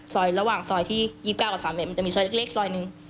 ระหว่างซอยที่๒๙กับ๓๑มันจะมีซอยเล็กซอยหนึ่ง